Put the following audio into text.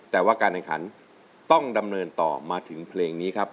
แต่ว่าการแข่งขันต้องดำเนินต่อมาถึงเพลงนี้ครับ